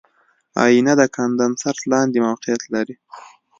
آئینه د کاندنسر لاندې موقعیت لري.